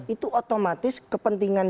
itu otomatis kepentingan